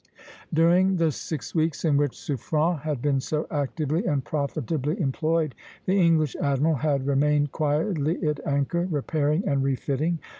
During the six weeks in which Suffren had been so actively and profitably employed, the English admiral had remained quietly at anchor, repairing and refitting.